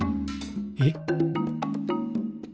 えっ？